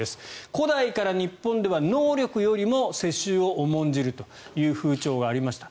古代から日本では能力よりも世襲を重んじるという風潮がありました。